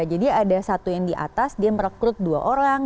jadi ada satu yang di atas dia merekrut dua orang